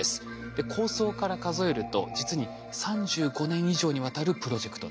で構想から数えると実に３５年以上にわたるプロジェクトなんです。